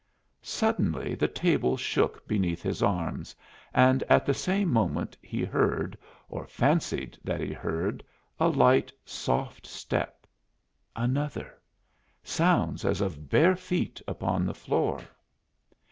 Suddenly the table shook beneath his arms, and at the same moment he heard, or fancied that he heard, a light, soft step another sounds as of bare feet upon the floor!